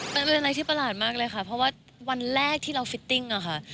มันเป็นอะไรที่ประหลาดมากเลยค่ะเพราะว่าวันแรกที่เราฟิตติ้งอะค่ะ